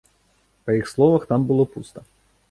Па іх словах, там было пуста.